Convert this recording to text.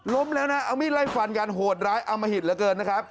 แล้วนะเอามีดไล่ฟันกันโหดร้ายอมหิตเหลือเกินนะครับ